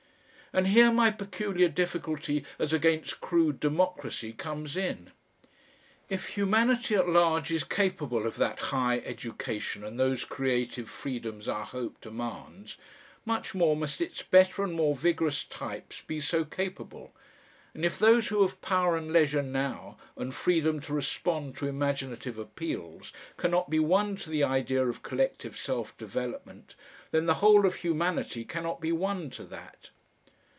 And here my peculiar difficulty as against crude democracy comes in. If humanity at large is capable of that high education and those creative freedoms our hope demands, much more must its better and more vigorous types be so capable. And if those who have power and leisure now, and freedom to respond to imaginative appeals, cannot be won to the idea of collective self development, then the whole of humanity cannot be won to that.